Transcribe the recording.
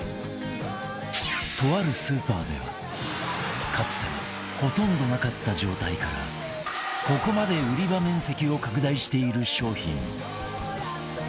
とあるスーパーではかつてはほとんどなかった状態からここまで売り場面積を拡大している商品